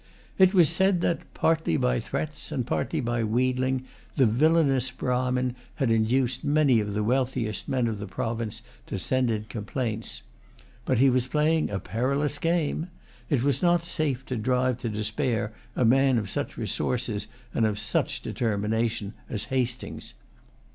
It was said that, partly by threats, and partly by wheedling, the villainous Brahmin had induced many of the wealthiest men of the province to send in complaints. But he was playing a perilous game. It was not safe to drive to despair a man of such resources and of such determination as Hastings.